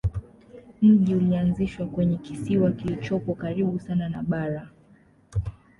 Mji ulianzishwa kwenye kisiwa kilichopo karibu sana na bara.